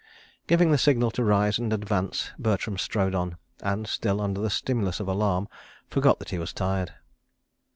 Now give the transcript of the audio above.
Giving the signal to rise and advance, Bertram strode on, and, still under the stimulus of alarm, forgot that he was tired.